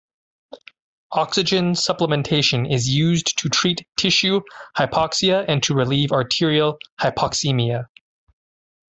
Oxygen supplementation is used to treat tissue hypoxia and to relieve arterial hypoxemia.